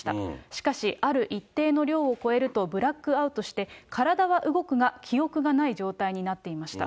しかし、ある一定の量を超えるとブラックアウトして、体は動くが、記憶がない状態になっていました。